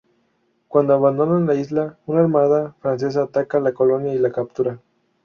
Cuando abandonan la isla, una armada francesa ataca la colonia y la captura.